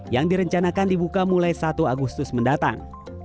yang direncanakan dibuka mulai satu agustus mendatang